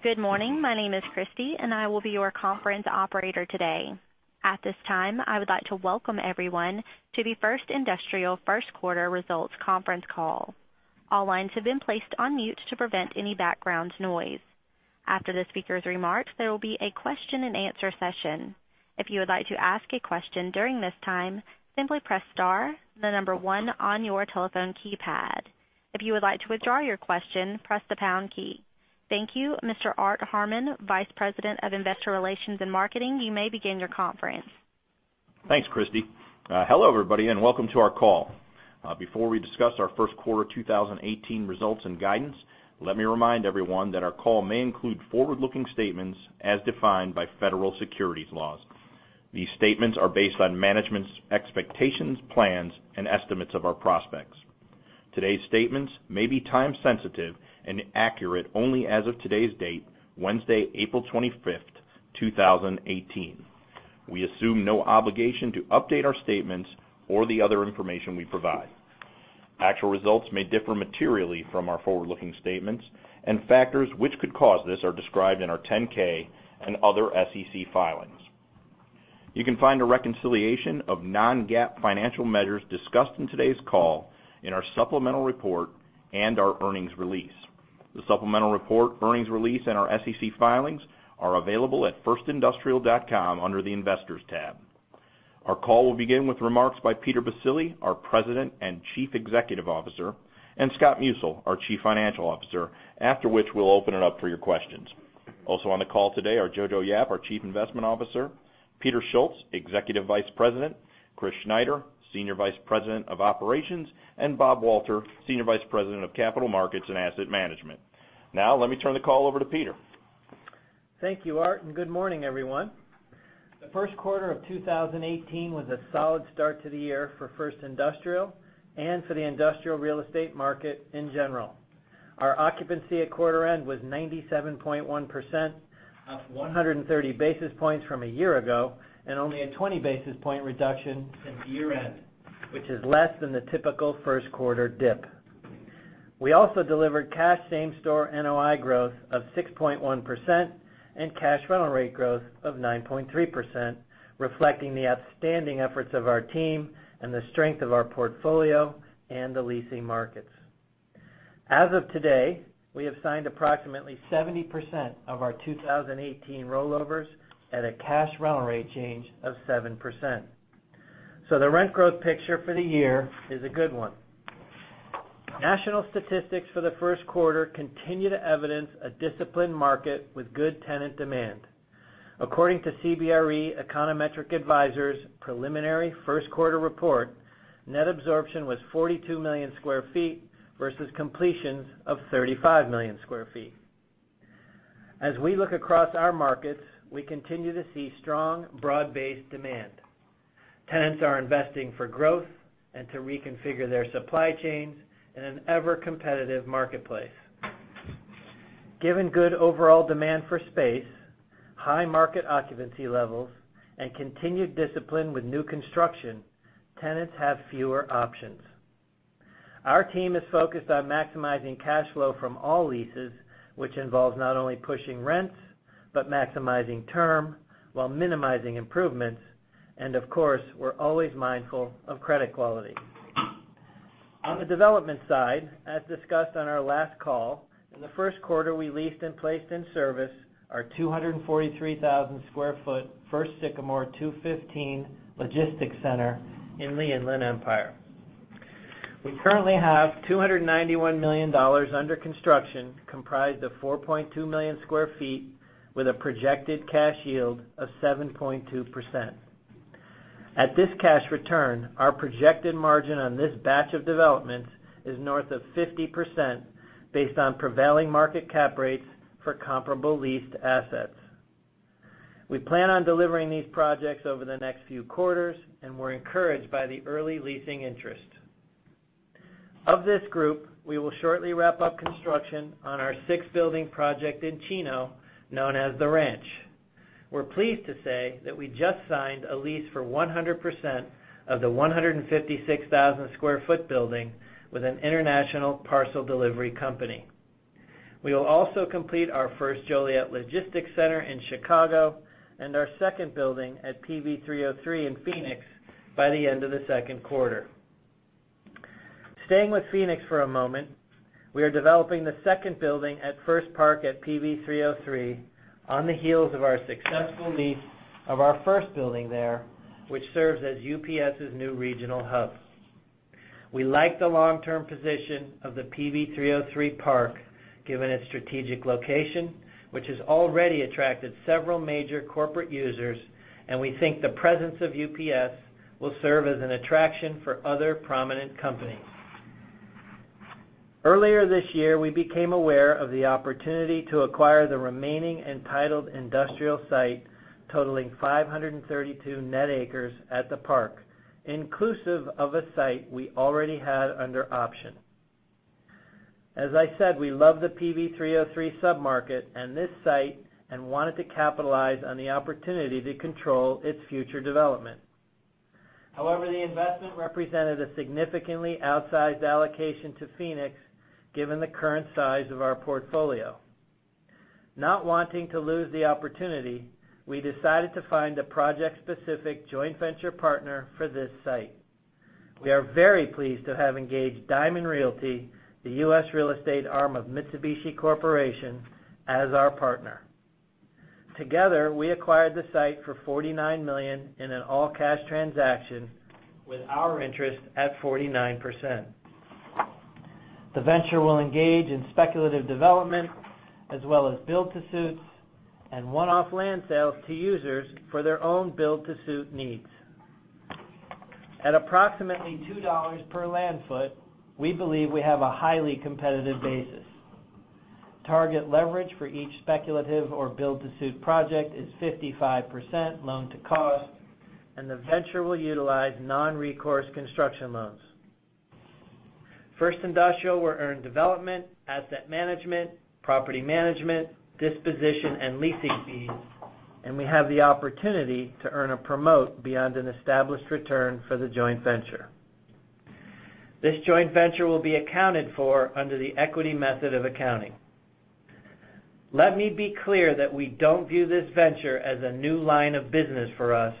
Good morning. My name is Christy, and I will be your conference operator today. At this time, I would like to welcome everyone to the First Industrial First Quarter Results Conference Call. All lines have been placed on mute to prevent any background noise. After the speaker's remarks, there will be a question and answer session. If you would like to ask a question during this time, simply press star 1 on your telephone keypad. If you would like to withdraw your question, press the pound key. Thank you, Mr. Art Harmon, Vice President of Investor Relations and Marketing. You may begin your conference. Thanks, Christy. Hello, everybody, and welcome to our call. Before we discuss our first quarter 2018 results and guidance, let me remind everyone that our call may include forward-looking statements as defined by federal securities laws. These statements are based on management's expectations, plans, and estimates of our prospects. Today's statements may be time sensitive and accurate only as of today's date, Wednesday, April 25, 2018. We assume no obligation to update our statements or the other information we provide. Actual results may differ materially from our forward-looking statements, and factors which could cause this are described in our 10-K and other SEC filings. You can find a reconciliation of non-GAAP financial measures discussed in today's call in our supplemental report and our earnings release. The supplemental report, earnings release, and our SEC filings are available at firstindustrial.com under the Investors tab. Our call will begin with remarks by Peter Baccile, our President and Chief Executive Officer, and Scott Musil, our Chief Financial Officer, after which we'll open it up for your questions. Also on the call today are Johannson Yap, our Chief Investment Officer, Peter Schultz, Executive Vice President, Chris Schneider, Senior Vice President of Operations, and Bob Walter, Senior Vice President of Capital Markets and Asset Management. Let me turn the call over to Peter. Thank you, Art, and good morning, everyone. The first quarter of 2018 was a solid start to the year for First Industrial and for the industrial real estate market in general. Our occupancy at quarter end was 97.1%, up 130 basis points from a year ago, and only a 20 basis point reduction since year-end, which is less than the typical first quarter dip. We also delivered cash same-store NOI growth of 6.1% and cash rental rate growth of 9.3%, reflecting the outstanding efforts of our team and the strength of our portfolio and the leasing markets. As of today, we have signed approximately 70% of our 2018 rollovers at a cash rental rate change of 7%. The rent growth picture for the year is a good one. National statistics for the first quarter continue to evidence a disciplined market with good tenant demand. According to CBRE Econometric Advisors' preliminary first quarter report, net absorption was 42 million square feet versus completions of 35 million square feet. As we look across our markets, we continue to see strong, broad-based demand. Tenants are investing for growth and to reconfigure their supply chains in an ever-competitive marketplace. Given good overall demand for space, high market occupancy levels, and continued discipline with new construction, tenants have fewer options. Our team is focused on maximizing cash flow from all leases, which involves not only pushing rents, but maximizing term while minimizing improvements, and of course, we're always mindful of credit quality. On the development side, as discussed on our last call, in the first quarter, we leased and placed in service our 243,000 square foot First Sycamore 215 logistics center in the Inland Empire. We currently have $291 million under construction, comprised of 4.2 million square feet, with a projected cash yield of 7.2%. At this cash return, our projected margin on this batch of developments is north of 50% based on prevailing market cap rates for comparable leased assets. We plan on delivering these projects over the next few quarters, and we're encouraged by the early leasing interest. Of this group, we will shortly wrap up construction on our six-building project in Chino, known as The Ranch. We're pleased to say that we just signed a lease for 100% of the 156,000 square foot building with an international parcel delivery company. We will also complete our First Joliet Logistics Center in Chicago and our second building at PV 303 in Phoenix by the end of the second quarter. Staying with Phoenix for a moment, we are developing the second building at First Park at PV 303 on the heels of our successful lease of our first building there, which serves as UPS's new regional hub. We like the long-term position of the PV 303 park, given its strategic location, which has already attracted several major corporate users, and we think the presence of UPS will serve as an attraction for other prominent companies. Earlier this year, we became aware of the opportunity to acquire the remaining entitled industrial site totaling 532 net acres at the park, inclusive of a site we already had under option. As I said, we love the PV 303 submarket and this site and wanted to capitalize on the opportunity to control its future development. The investment represented a significantly outsized allocation to Phoenix, given the current size of our portfolio. Not wanting to lose the opportunity, we decided to find a project-specific joint venture partner for this site. We are very pleased to have engaged Diamond Realty, the U.S. real estate arm of Mitsubishi Corporation, as our partner. Together, we acquired the site for $49 million in an all-cash transaction with our interest at 49%. The venture will engage in speculative development as well as build to suits and one-off land sales to users for their own build-to-suit needs. At approximately $2 per land foot, we believe we have a highly competitive basis. Target leverage for each speculative or build to suit project is 55% loan to cost, and the venture will utilize non-recourse construction loans. First Industrial will earn development, asset management, property management, disposition, and leasing fees, and we have the opportunity to earn a promote beyond an established return for the joint venture. This joint venture will be accounted for under the equity method of accounting. Let me be clear that we don't view this venture as a new line of business for us,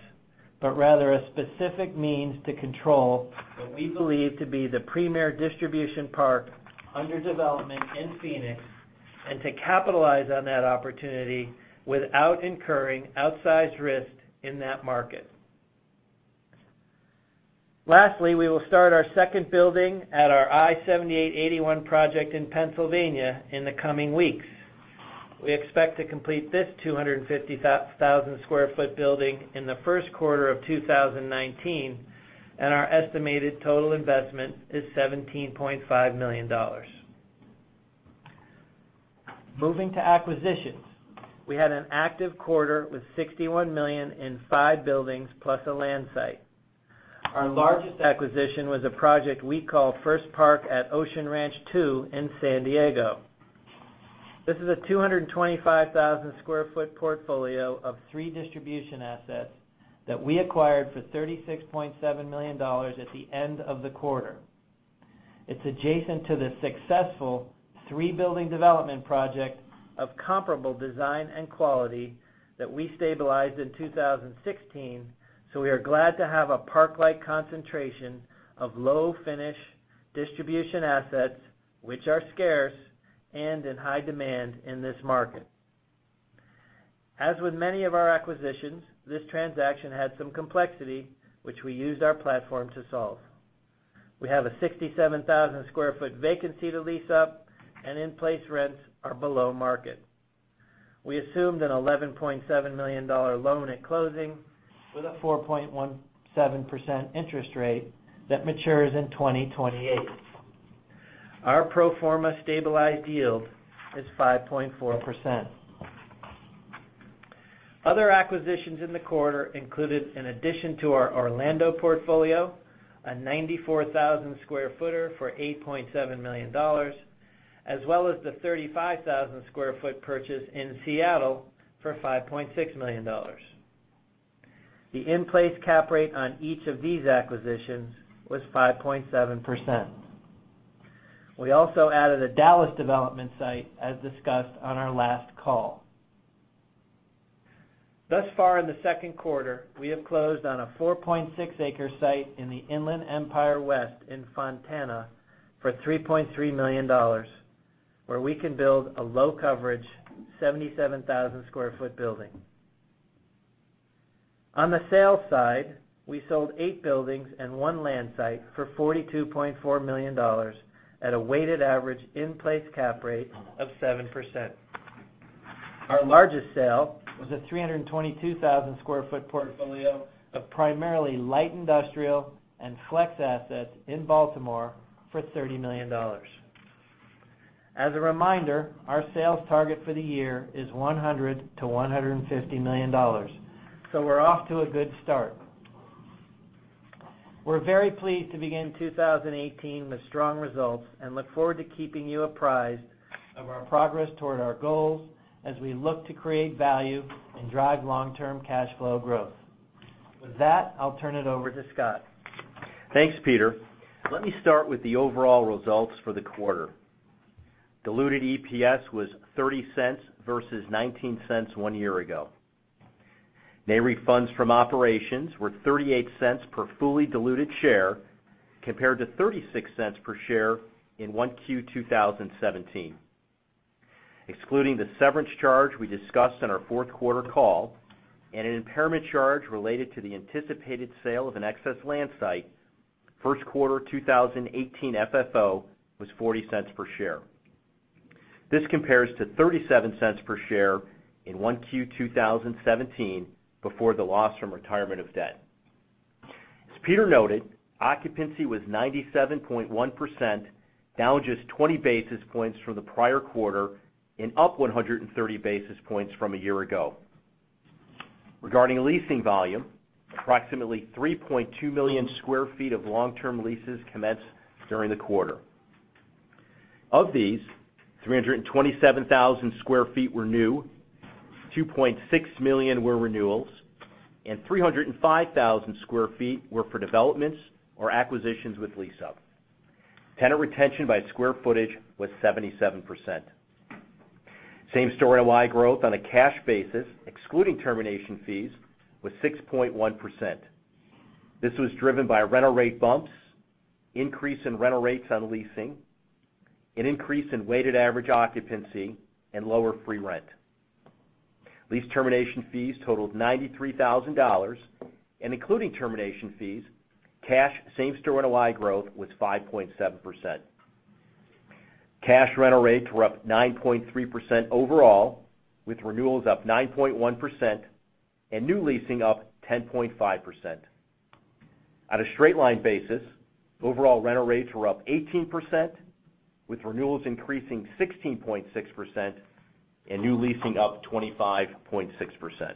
but rather a specific means to control what we believe to be the premier distribution park under development in Phoenix, and to capitalize on that opportunity without incurring outsized risk in that market. Lastly, we will start our second building at our I-78/I-81 project in Pennsylvania in the coming weeks. We expect to complete this 250,000 square foot building in the first quarter of 2019, and our estimated total investment is $17.5 million. Moving to acquisitions, we had an active quarter with $61 million in five buildings plus a land site. Our largest acquisition was a project we call First Park at Ocean Ranch 2 in San Diego. This is a 225,000 square foot portfolio of three distribution assets that we acquired for $36.7 million at the end of the quarter. It's adjacent to the successful three-building development project of comparable design and quality that we stabilized in 2016. We are glad to have a park-like concentration of low-finish distribution assets, which are scarce and in high demand in this market. As with many of our acquisitions, this transaction had some complexity, which we used our platform to solve. We have a 67,000 square foot vacancy to lease up. In-place rents are below market. We assumed an $11.7 million loan at closing with a 4.17% interest rate that matures in 2028. Our pro forma stabilized yield is 5.4%. Other acquisitions in the quarter included, in addition to our Orlando portfolio, a 94,000 square footer for $8.7 million, as well as the 35,000 square foot purchase in Seattle for $5.6 million. The in-place cap rate on each of these acquisitions was 5.7%. We also added a Dallas development site as discussed on our last call. Thus far in the second quarter, we have closed on a 4.6-acre site in the Inland Empire West in Fontana for $3.3 million, where we can build a low coverage, 77,000 square foot building. On the sales side, we sold eight buildings and one land site for $42.4 million at a weighted average in-place cap rate of 7%. Our largest sale was a 322,000 square foot portfolio of primarily light industrial and flex assets in Baltimore for $30 million. As a reminder, our sales target for the year is $100 million-$150 million. We're off to a good start. We're very pleased to begin 2018 with strong results and look forward to keeping you apprised of our progress toward our goals as we look to create value and drive long-term cash flow growth. With that, I'll turn it over to Scott. Thanks, Peter. Diluted EPS was $0.30 versus $0.19 one year ago. NAREIT funds from operations were $0.38 per fully diluted share, compared to $0.36 per share in 1Q 2017. Excluding the severance charge we discussed on our fourth quarter call and an impairment charge related to the anticipated sale of an excess land site, first quarter 2018 FFO was $0.40 per share. This compares to $0.37 per share in 1Q 2017 before the loss from retirement of debt. As Peter noted, occupancy was 97.1%, down just 20 basis points from the prior quarter and up 130 basis points from a year ago. Regarding leasing volume, approximately 3.2 million square feet of long-term leases commenced during the quarter. Of these, 327,000 square feet were new, 2.6 million were renewals, and 305,000 square feet were for developments or acquisitions with lease-up. Tenant retention by square footage was 77%. Same-store NOI growth on a cash basis, excluding termination fees, was 6.1%. This was driven by rental rate bumps, increase in rental rates on leasing, an increase in weighted average occupancy, and lower free rent. Lease termination fees totaled $93,000, and including termination fees, cash same-store NOI growth was 5.7%. Cash rental rates were up 9.3% overall, with renewals up 9.1% and new leasing up 10.5%. On a straight-line basis, overall rental rates were up 18%, with renewals increasing 16.6% and new leasing up 25.6%.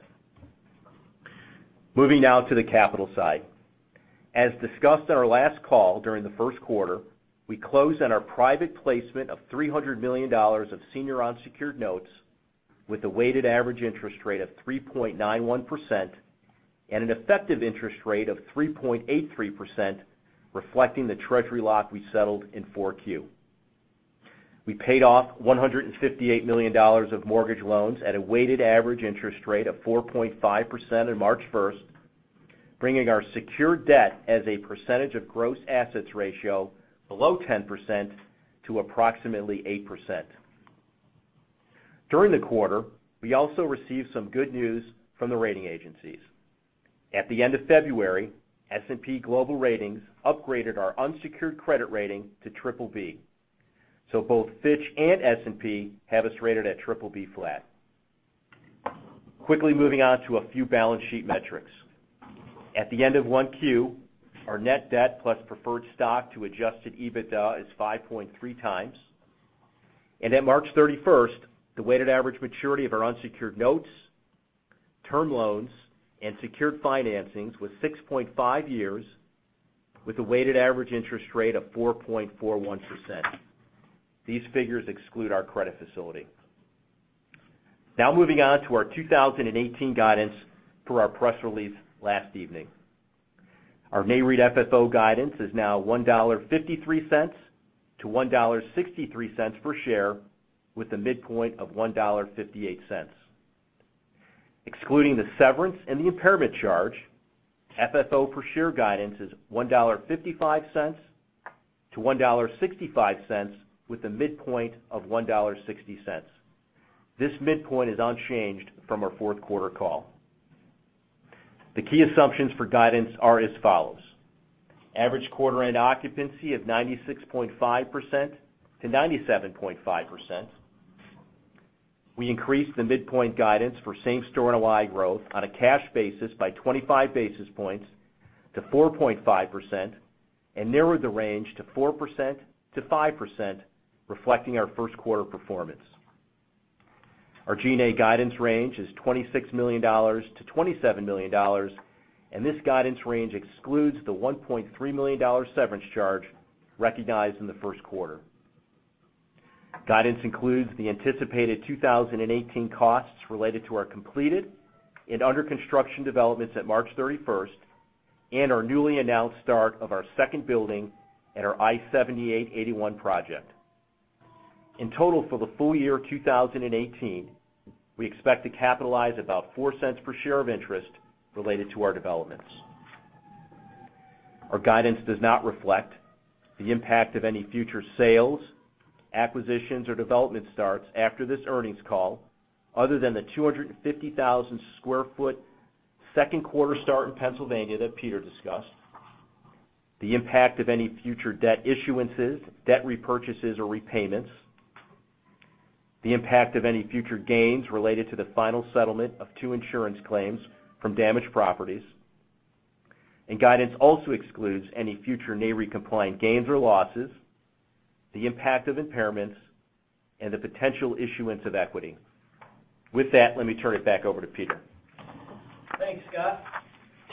Moving now to the capital side. As discussed on our last call during the first quarter, we closed on our private placement of $300 million of senior unsecured notes with a weighted average interest rate of 3.91% and an effective interest rate of 3.83%, reflecting the treasury lock we settled in 4Q. We paid off $158 million of mortgage loans at a weighted average interest rate of 4.5% on March 1st, bringing our secured debt as a percentage of gross assets ratio below 10% to approximately 8%. During the quarter, we also received some good news from the rating agencies. At the end of February, S&P Global Ratings upgraded our unsecured credit rating to BBB. Both Fitch and S&P have us rated at BBB flat. Quickly moving on to a few balance sheet metrics. At the end of 1Q, our net debt plus preferred stock to adjusted EBITDA is 5.3 times. At March 31st, the weighted average maturity of our unsecured notes, term loans, and secured financings was 6.5 years, with a weighted average interest rate of 4.41%. These figures exclude our credit facility. Moving on to our 2018 guidance for our press release last evening. Our NAREIT FFO guidance is now $1.53 to $1.63 per share, with a midpoint of $1.58. Excluding the severance and the impairment charge, FFO per share guidance is $1.55 to $1.65 with a midpoint of $1.60. This midpoint is unchanged from our fourth quarter call. The key assumptions for guidance are as follows. Average quarter-end occupancy of 96.5%-97.5%. We increased the midpoint guidance for same-store NOI growth on a cash basis by 25 basis points to 4.5% and narrowed the range to 4%-5%, reflecting our first quarter performance. Our G&A guidance range is $26 million to $27 million. This guidance range excludes the $1.3 million severance charge recognized in the first quarter. Guidance includes the anticipated 2018 costs related to our completed and under-construction developments at March 31st and our newly announced start of our second building at our I-78/I-81 project. In total, for the full year 2018, we expect to capitalize about $0.04 per share of interest related to our developments. Our guidance does not reflect the impact of any future sales, acquisitions, or development starts after this earnings call, other than the 250,000 sq ft second quarter start in Pennsylvania that Peter discussed, the impact of any future debt issuances, debt repurchases, or repayments, or the impact of any future gains related to the final settlement of two insurance claims from damaged properties. Guidance also excludes any future NAREIT-compliant gains or losses, the impact of impairments, and the potential issuance of equity. With that, let me turn it back over to Peter. Thanks, Scott.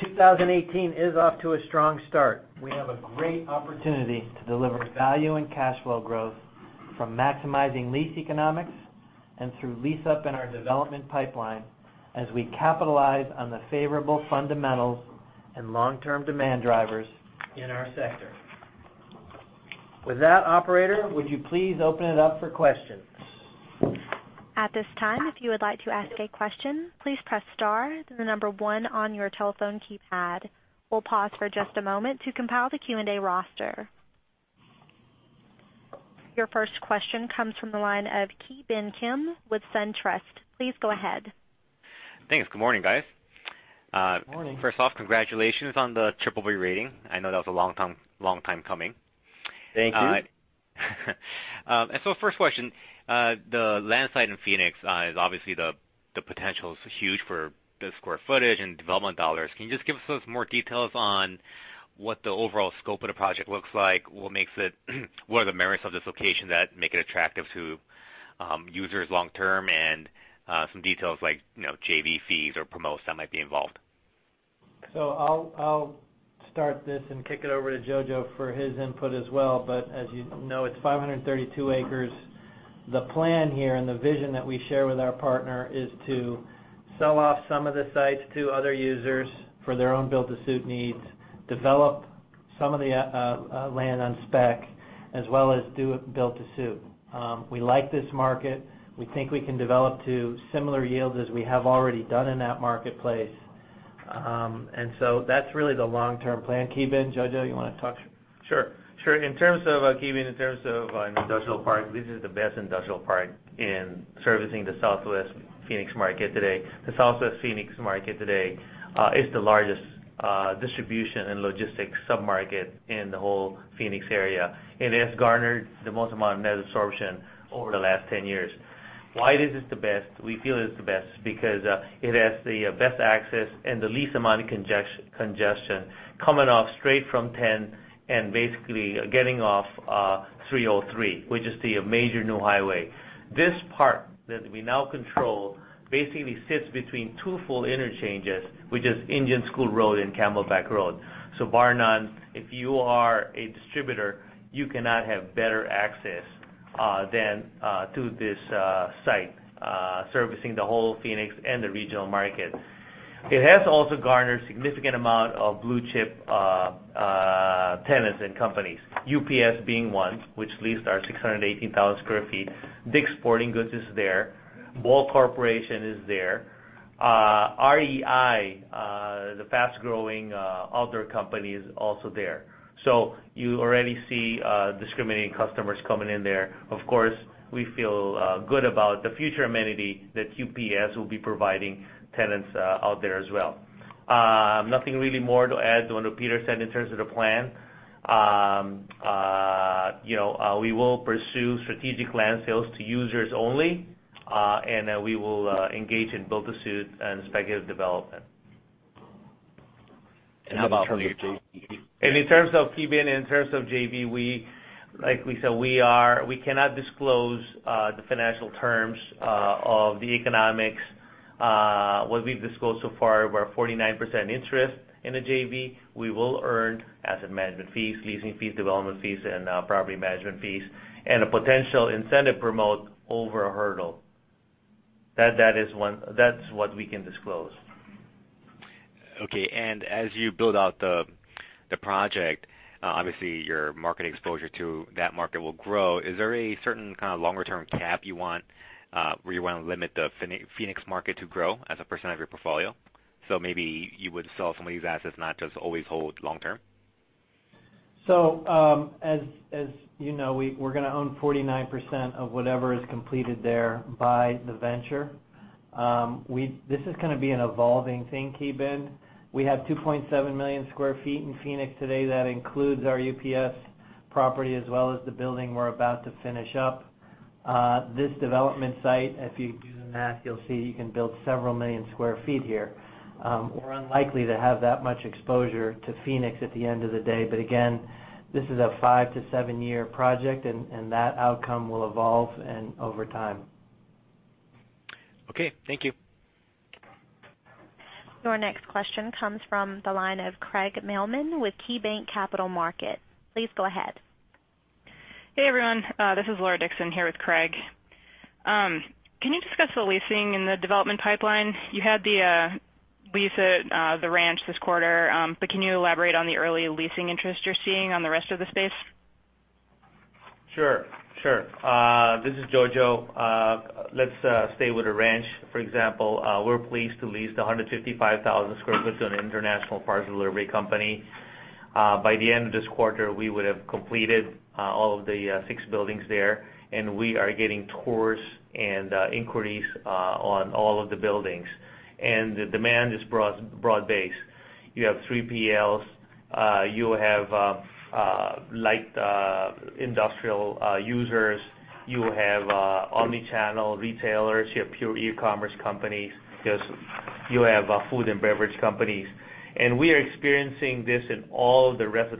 2018 is off to a strong start. We have a great opportunity to deliver value and cash flow growth from maximizing lease economics and through lease-up in our development pipeline as we capitalize on the favorable fundamentals and long-term demand drivers in our sector. With that, operator, would you please open it up for questions? At this time, if you would like to ask a question, please press star, the number one on your telephone keypad. We will pause for just a moment to compile the Q&A roster. Your first question comes from the line of Ki Bin Kim with SunTrust. Please go ahead. Thanks. Good morning, guys. Morning. First off, congratulations on the BBB rating. I know that was a long time coming. Thank you. First question. The land site in Phoenix is obviously the potential is huge for the square footage and development dollars. Can you just give us those more details on what the overall scope of the project looks like? What are the merits of this location that make it attractive to users long term, and some details like JV fees or promotes that might be involved? I'll start this and kick it over to Jojo for his input as well. As you know, it's 532 acres. The plan here and the vision that we share with our partner is to sell off some of the sites to other users for their own build-to-suit needs, develop some of the land on spec, as well as do a build-to-suit. We like this market. We think we can develop to similar yields as we have already done in that marketplace. That's really the long-term plan. Ki Bin, Jojo, you want to talk? Sure. In terms of, Ki Bin, in terms of industrial park, this is the best industrial park in servicing the Southwest Phoenix market today. The Southwest Phoenix market today is the largest distribution and logistics sub-market in the whole Phoenix area. It has garnered the most amount of net absorption over the last 10 years. Why this is the best? We feel it's the best because it has the best access and the least amount of congestion coming off straight from 10 and basically getting off 303, which is the major new highway. This park that we now control basically sits between two full interchanges, which is Indian School Road and Camelback Road. Bar none, if you are a distributor, you cannot have better access than to this site servicing the whole Phoenix and the regional market. It has also garnered significant amount of blue-chip tenants and companies, UPS being one, which leased our 618,000 sq ft. DICK'S Sporting Goods is there. Ball Corporation is there. REI, the fast-growing outdoor company, is also there. You already see discriminating customers coming in there. Of course, we feel good about the future amenity that UPS will be providing tenants out there as well. Nothing really more to add to what Peter said in terms of the plan. We will pursue strategic land sales to users only, we will engage in build-to-suit and speculative development. How about in terms of JV? In terms of, Ki Bin, in terms of JV, like we said, we cannot disclose the financial terms of the economics. What we've disclosed so far, we're 49% interest in the JV. We will earn asset management fees, leasing fees, development fees, and property management fees, and a potential incentive promote over a hurdle. That's what we can disclose. Okay. As you build out the project, obviously, your market exposure to that market will grow. Is there a certain kind of longer-term cap you want, where you want to limit the Phoenix market to grow as a % of your portfolio? Maybe you would sell some of these assets, not just always hold long-term. As you know, we're going to own 49% of whatever is completed there by the venture. This is going to be an evolving thing, Ki Bin. We have 2.7 million sq ft in Phoenix today. That includes our UPS property as well as the building we're about to finish up. This development site, if you do the math, you'll see you can build several million sq ft here. We're unlikely to have that much exposure to Phoenix at the end of the day. Again, this is a 5-7-year project, and that outcome will evolve over time. Okay. Thank you. Your next question comes from the line of Craig Mailman with KeyBanc Capital Markets. Please go ahead. Hey, everyone. This is Laura Dickson here with Craig. Can you discuss the leasing and the development pipeline? You had the lease at The Ranch this quarter, but can you elaborate on the early leasing interest you're seeing on the rest of the space? Sure. This is Jojo. Let's stay with The Ranch, for example. We're pleased to lease the 155,000 square foot to an international parcel delivery company. By the end of this quarter, we would have completed all of the six buildings there. We are getting tours and inquiries on all of the buildings. The demand is broad-based. You have 3PLs. You have light industrial users. You have omni-channel retailers. You have pure e-commerce companies. You have food and beverage companies. We are experiencing this in all of the rest of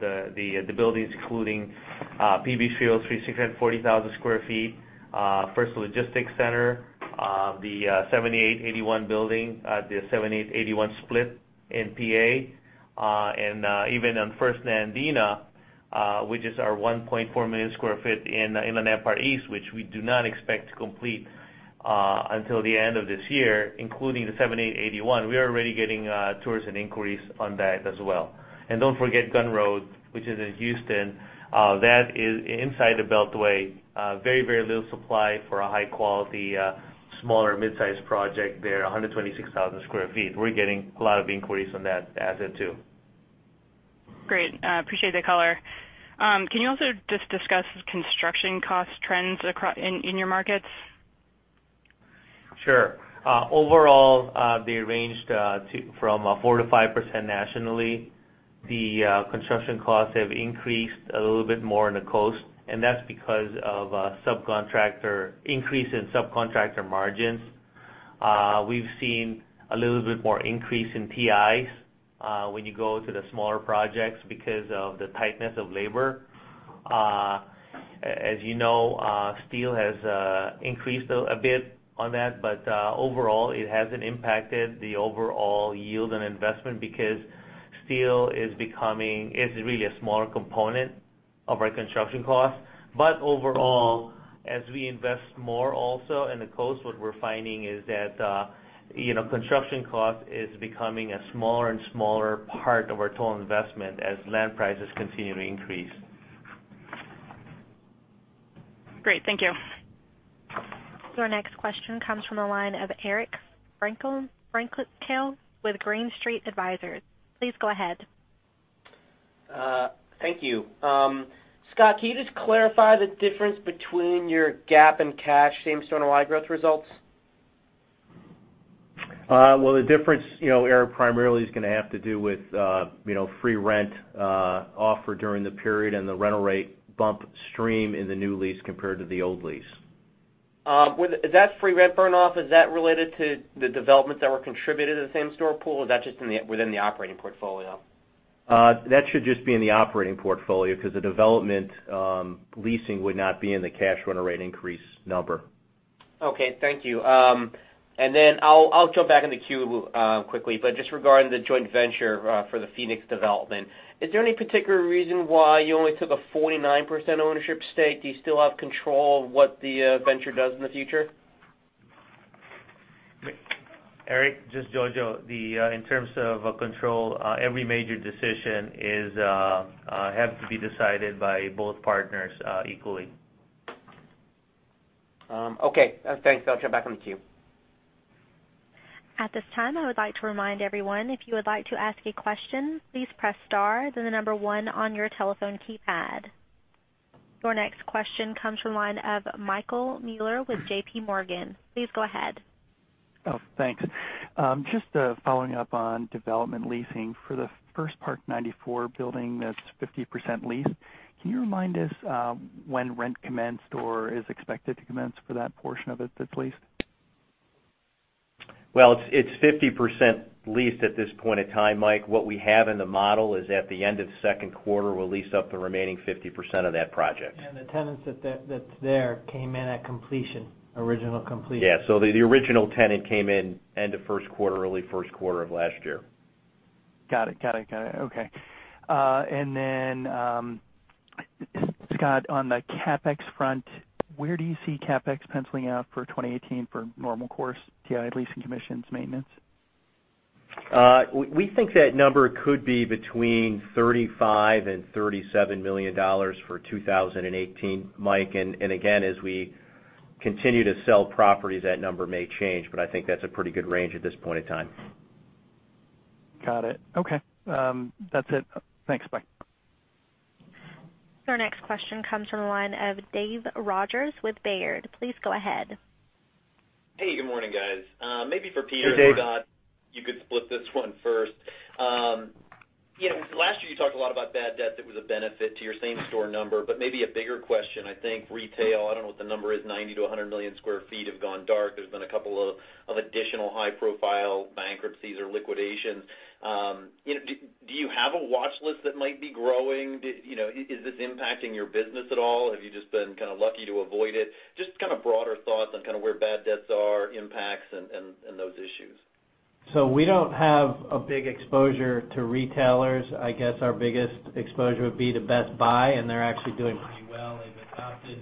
the buildings, including PV 303, 360, 40,000 sq ft. First Logistics Center, the I-78/I-81 building, the I-78/I-81 split in PA. Even on First Nandina, which is our 1.4 million square feet in the Inland Empire East, which we do not expect to complete until the end of this year, including the I-78/I-81. We are already getting tours and inquiries on that as well. Don't forget Gunn Road, which is in Houston. That is inside the Beltway. Very, very little supply for a high-quality, small or mid-size project there, 126,000 square feet. We're getting a lot of inquiries on that asset, too. Great. Appreciate the color. Can you also just discuss construction cost trends in your markets? Sure. Overall, they ranged from 4%-5% nationally. The construction costs have increased a little bit more on the coast, and that's because of increase in subcontractor margins. We've seen a little bit more increase in TIs when you go to the smaller projects because of the tightness of labor. As you know, steel has increased a bit on that. Overall, it hasn't impacted the overall yield on investment because steel is really a smaller component of our construction cost. Overall, as we invest more also in the coast, what we're finding is that construction cost is becoming a smaller and smaller part of our total investment as land prices continue to increase. Great. Thank you. Your next question comes from the line of Eric Frankel with Green Street Advisors. Please go ahead. Thank you. Scott, can you just clarify the difference between your GAAP and cash same-store NOI growth results? Well, the difference, Eric, primarily is going to have to do with free rent offer during the period and the rental rate bump stream in the new lease compared to the old lease. With that free rent burn-off, is that related to the developments that were contributed to the same-store pool, or is that just within the operating portfolio? That should just be in the operating portfolio because the development leasing would not be in the cash rental rate increase number. Okay, thank you. I'll jump back in the queue quickly, just regarding the joint venture for the Phoenix development, is there any particular reason why you only took a 49% ownership stake? Do you still have control of what the venture does in the future? Eric, this is Jojo. In terms of control, every major decision has to be decided by both partners equally. Okay, thanks. I'll jump back in the queue. At this time, I would like to remind everyone, if you would like to ask a question, please press star, then the number one on your telephone keypad. Your next question comes from the line of Michael Mueller with JPMorgan. Please go ahead. Thanks. Just following up on development leasing. For the First Park 94 building that's 50% leased, can you remind us when rent commenced or is expected to commence for that portion of it that's leased? It's 50% leased at this point in time, Mike. What we have in the model is at the end of second quarter, we'll lease up the remaining 50% of that project. The tenants that's there came in at original completion. Yeah. The original tenant came in end of first quarter, early first quarter of last year. Got it. Okay. Scott, on the CapEx front, where do you see CapEx penciling out for 2018 for normal course, TI, leasing commissions, maintenance? We think that number could be between $35 million and $37 million for 2018, Mike. Again, as we continue to sell properties, that number may change, but I think that's a pretty good range at this point in time. Got it. Okay. That's it. Thanks. Bye. Our next question comes from the line of David Rodgers with Baird. Please go ahead. Hey, good morning, guys. Hey, Dave. Maybe for Peter or Scott, you could split this one first. Last year, you talked a lot about bad debt that was a benefit to your same-store number, but maybe a bigger question, I think retail, I don't know what the number is, 90 million-100 million square feet have gone dark. There's been a couple of additional high-profile bankruptcies or liquidations. Do you have a watch list that might be growing? Is this impacting your business at all? Have you just been kind of lucky to avoid it? Just kind of broader thoughts on kind of where bad debts are, impacts, and those issues. We don't have a big exposure to retailers. I guess our biggest exposure would be to Best Buy, and they're actually doing pretty well. They've adopted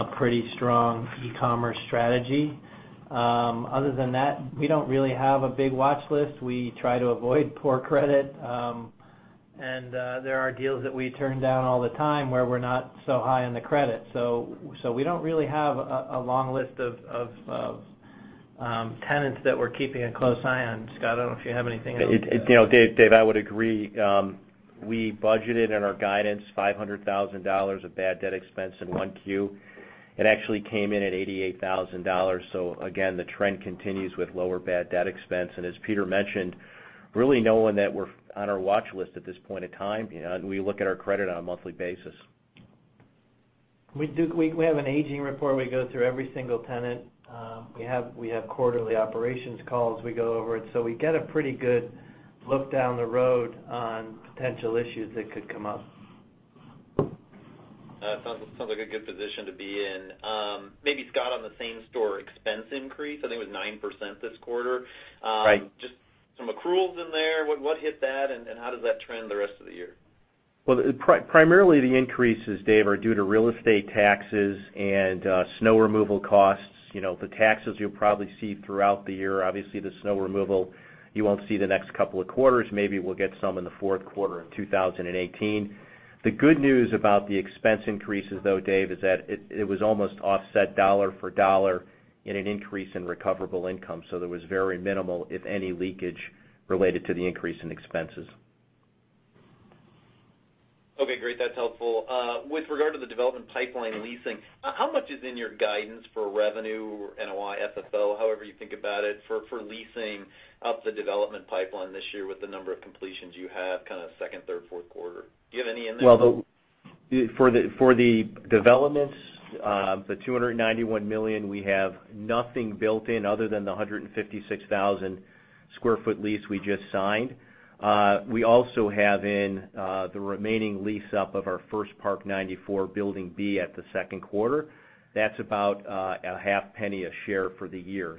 a pretty strong e-commerce strategy. Other than that, we don't really have a big watch list. We try to avoid poor credit. There are deals that we turn down all the time where we're not so high on the credit. We don't really have a long list of tenants that we're keeping a close eye on. Scott, I don't know if you have anything else to add. Dave, I would agree. We budgeted in our guidance $500,000 of bad debt expense in 1Q. It actually came in at $88,000. Again, the trend continues with lower bad debt expense. As Peter mentioned, really no one that were on our watch list at this point in time. We look at our credit on a monthly basis. We have an aging report. We go through every single tenant. We have quarterly operations calls. We go over it. We get a pretty good look down the road on potential issues that could come up. That sounds like a good position to be in. Maybe Scott, on the same-store expense increase, I think it was 9% this quarter. Right. Just some accruals in there, what hit that, and how does that trend the rest of the year? Well, primarily the increases, Dave, are due to real estate taxes and snow removal costs. The taxes you'll probably see throughout the year. Obviously, the snow removal you won't see the next couple of quarters. Maybe we'll get some in the fourth quarter of 2018. The good news about the expense increases, though, Dave, is that it was almost offset dollar for dollar in an increase in recoverable income. There was very minimal, if any, leakage related to the increase in expenses. Okay, great. That's helpful. With regard to the development pipeline leasing, how much is in your guidance for revenue or NOI, FFO, however you think about it, for leasing up the development pipeline this year with the number of completions you have kind of second, third, fourth quarter? Do you have any in there? For the developments, the $291 million, we have nothing built in other than the 156,000 square foot lease we just signed. We also have in the remaining lease up of our First Park 94 Building B at the second quarter. That's about $0.005 a share for the year.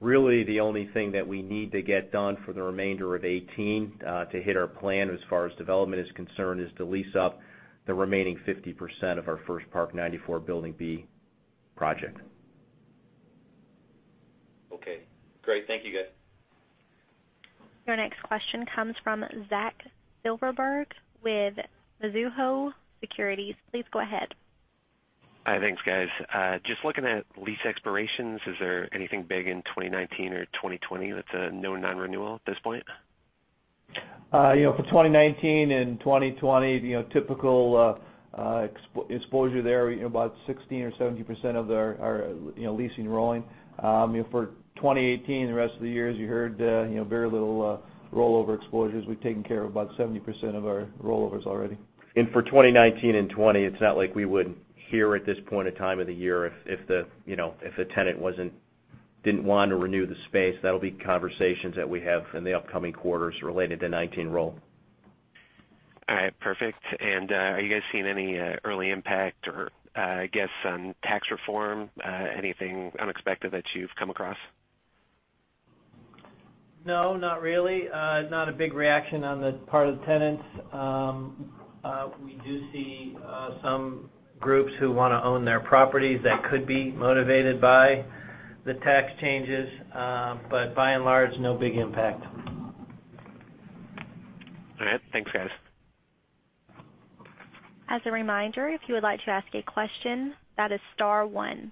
Really, the only thing that we need to get done for the remainder of 2018 to hit our plan as far as development is concerned, is to lease up the remaining 50% of our First Park 94 Building B project. Okay, great. Thank you, guys. Your next question comes from Zachary Silverberg with Mizuho Securities. Please go ahead. Hi. Thanks, guys. Just looking at lease expirations, is there anything big in 2019 or 2020 that's a known non-renewal at this point? For 2019 and 2020, typical exposure there, about 16% or 17% of our leasing rolling. For 2018, the rest of the year, as you heard, very little rollover exposures. We've taken care of about 70% of our rollovers already. For 2019 and 2020, it's not like we would hear at this point in time of the year if a tenant didn't want to renew the space. That'll be conversations that we have in the upcoming quarters related to 2019 roll. All right. Perfect. Are you guys seeing any early impact or, I guess, on tax reform, anything unexpected that you've come across? No, not really. Not a big reaction on the part of the tenants. We do see some groups who want to own their properties that could be motivated by the tax changes. By and large, no big impact. All right. Thanks, guys. As a reminder, if you would like to ask a question, that is star one.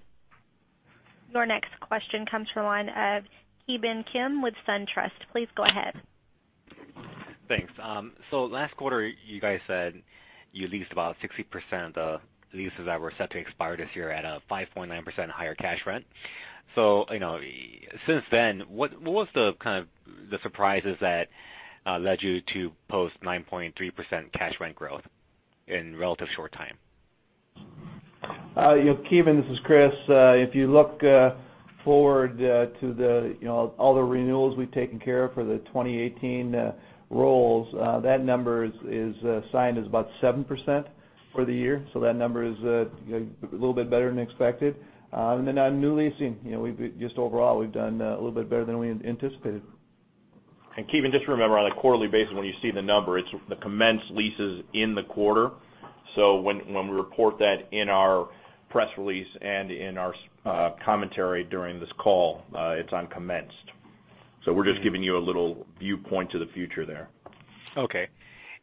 Your next question comes from the line of Ki Bin Kim with SunTrust. Please go ahead. Thanks. Last quarter, you guys said you leased about 60% of leases that were set to expire this year at a 5.9% higher cash rent. Since then, what was the kind of the surprises that led you to post 9.3% cash rent growth in relative short time? Ki Bin, this is Chris. If you look forward to all the renewals we've taken care of for the 2018 rolls, that number signed is about 7% for the year. That number is a little bit better than expected. Then on new leasing, just overall, we've done a little bit better than we anticipated. Ki Bin, just remember, on a quarterly basis, when you see the number, it's the commenced leases in the quarter. When we report that in our press release and in our commentary during this call, it's on commenced. We're just giving you a little viewpoint to the future there. Okay.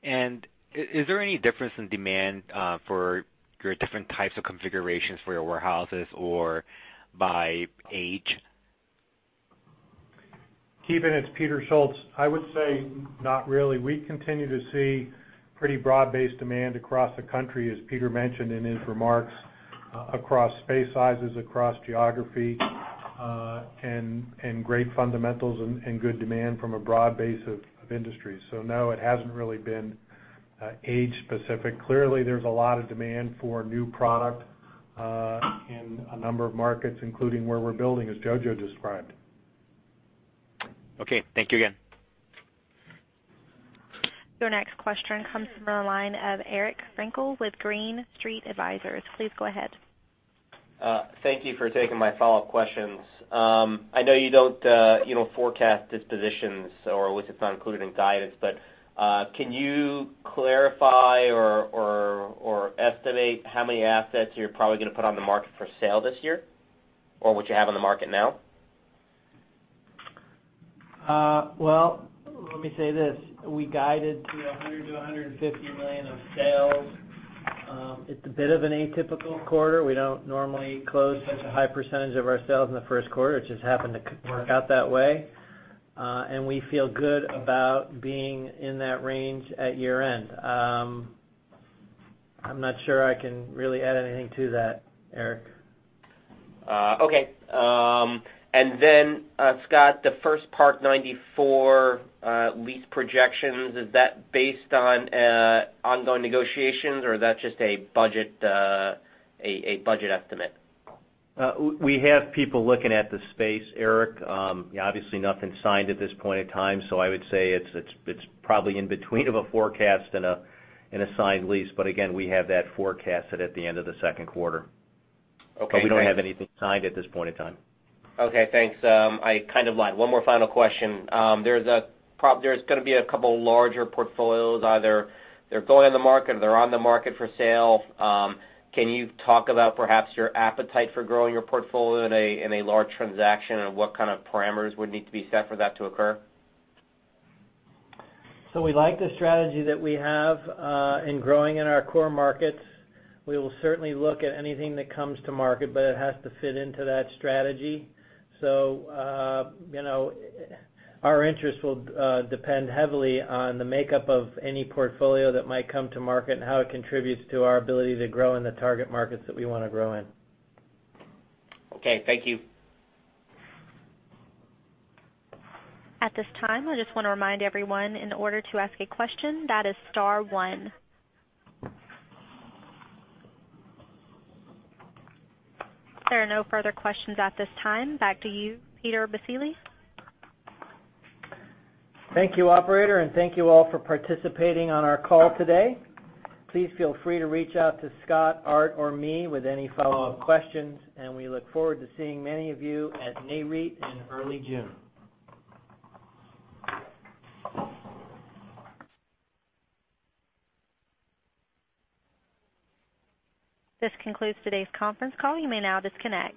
Is there any difference in demand for your different types of configurations for your warehouses or by age? Ki Bin, it's Peter Schultz. I would say not really. We continue to see pretty broad-based demand across the country, as Peter mentioned in his remarks, across space sizes, across geography, and great fundamentals and good demand from a broad base of industries. No, it hasn't really been age specific. Clearly, there's a lot of demand for new product in a number of markets, including where we're building, as Johannson described. Okay. Thank you again. Your next question comes from the line of Eric Frankel with Green Street Advisors. Please go ahead. Thank you for taking my follow-up questions. I know you don't forecast dispositions or at least it's not included in guidance. Can you clarify or estimate how many assets you're probably going to put on the market for sale this year? What you have on the market now? Well, let me say this. We guided to $100 million-$150 million of sales. It's a bit of an atypical quarter. We don't normally close such a high percentage of our sales in the first quarter. It just happened to work out that way. We feel good about being in that range at year end. I'm not sure I can really add anything to that, Eric. Okay. Scott, the First Park 94 lease projections, is that based on ongoing negotiations or is that just a budget estimate? We have people looking at the space, Eric. Obviously, nothing's signed at this point in time. I would say it's probably in between of a forecast and a signed lease. Again, we have that forecasted at the end of the second quarter. Okay, great. We don't have anything signed at this point in time. Okay, thanks. I kind of lied. One more final question. There's going to be a couple larger portfolios, either they're going on the market or they're on the market for sale. Can you talk about perhaps your appetite for growing your portfolio in a large transaction, and what kind of parameters would need to be set for that to occur? We like the strategy that we have in growing in our core markets. We will certainly look at anything that comes to market, but it has to fit into that strategy. Our interest will depend heavily on the makeup of any portfolio that might come to market and how it contributes to our ability to grow in the target markets that we want to grow in. Okay. Thank you. At this time, I just want to remind everyone, in order to ask a question, that is star one. If there are no further questions at this time, back to you, Peter Baccile. Thank you, operator, and thank you all for participating on our call today. Please feel free to reach out to Scott, Art, or me with any follow-up questions, and we look forward to seeing many of you at NAREIT in early June. This concludes today's conference call. You may now disconnect.